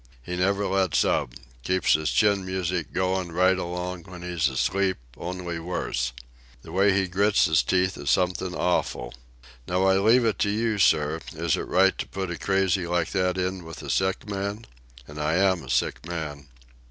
He never lets up—keeps his chin music goin' right along when he's asleep, only worse. The way he grits his teeth is something awful. Now I leave it to you, sir, is it right to put a crazy like that in with a sick man? And I am a sick man."